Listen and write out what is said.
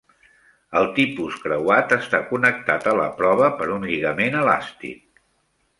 El tipus creuat està connectat a la prova per un lligament elàstic.